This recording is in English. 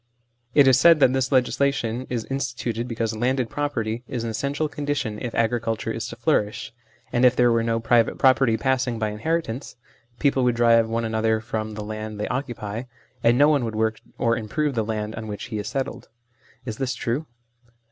It is said that this legislation is instituted because landed property is an essential condition if agriculture is to flourish, and if there were no private property passing by inheritance, people would drive one another from the land they occupy, and no one would work or improve the land on which he is settled. Is this true